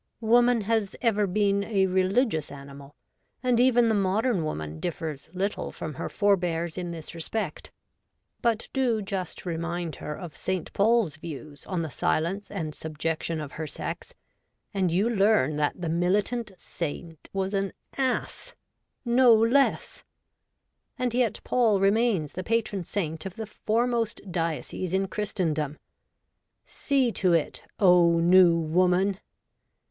Woman has ever been a religious animal, and even the modern woman differs little from her forbears in this respect ; but do just remind her of St. Paul's views on the silence and subjection of her sex, and you learn that the militant saint was an ass — no less ! And yet Paul remains the patron saint of the fore most diocese in Christendom. See to it, O New Woman